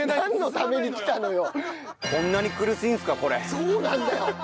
そうなんだよ。